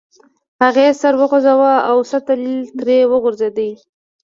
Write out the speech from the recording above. هغې سر وخوزاوه او سطل ترې وغورځید.